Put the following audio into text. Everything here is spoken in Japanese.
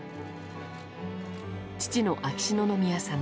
父の秋篠宮さま